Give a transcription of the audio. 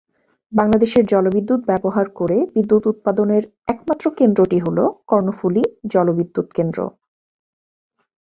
বাংলাদেশে জলবিদ্যুৎ ব্যবহার করে বিদ্যুৎ উৎপাদনের একমাত্র কেন্দ্রটি হল কর্ণফুলী জলবিদ্যুৎ কেন্দ্র।